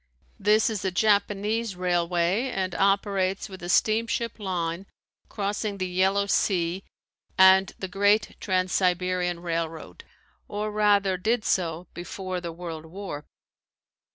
This is a Japanese railway and operates with a steamship line crossing the Yellow Sea and the great Trans Siberian railroad, or rather did so before the world war.